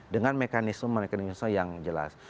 dengan mekanisme mekanisme yang jelas